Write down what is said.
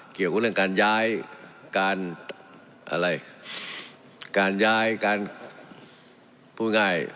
เกี่ยวกับเรื่องการย้ายการอะไรการย้ายการพูดง่าย